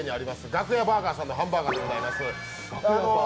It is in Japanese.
ガクヤバーガーさんのハンバーガーでございます。